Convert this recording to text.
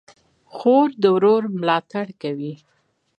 خور د ورور ملاتړ کوي.